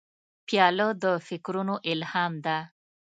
پیاله د فکرونو الهام ده.